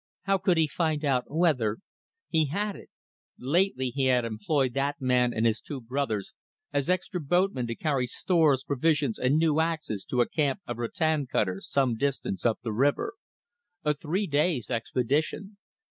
How could he find out whether ... He had it! Lately he had employed that man and his two brothers as extra boatmen to carry stores, provisions, and new axes to a camp of rattan cutters some distance up the river. A three days' expedition.